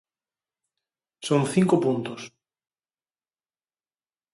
Son cinco puntos.